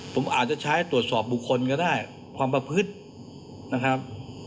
ผมอาจจะใช้ตรวจสอบบุคคลก็ได้ความประพฤตินะครับ